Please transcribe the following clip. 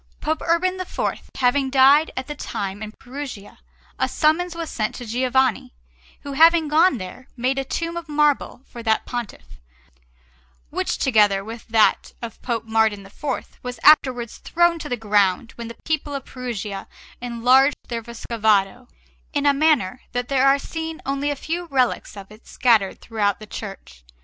Pope Urban IV having died at that time in Perugia, a summons was sent to Giovanni, who, having gone there, made a tomb of marble for that Pontiff, which, together with that of Pope Martin IV, was afterwards thrown to the ground when the people of Perugia enlarged their Vescovado, in a manner that there are seen only a few relics of it scattered throughout the church.